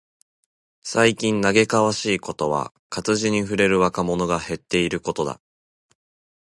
最近嘆かわしいことは、活字に触れる若者が減っていることだ。